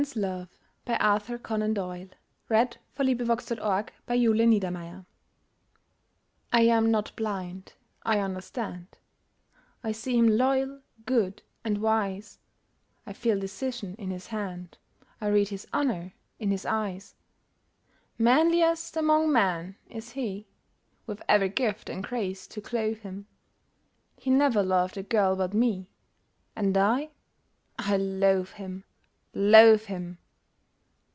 Lord help us, for we need Thine aid! III MISCELLANEOUS VERSES A WOMAN'S LOVE I am not blind I understand; I see him loyal, good, and wise, I feel decision in his hand, I read his honour in his eyes. Manliest among men is he With every gift and grace to clothe him; He never loved a girl but me — And I I loathe him! loathe him!